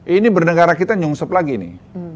ini bernegara kita nyungsep lagi nih